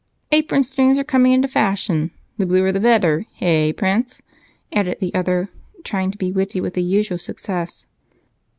"Apron strings are coming into fashion the bluer the better hey, Prince?" added the other, trying to be witty, with the usual success.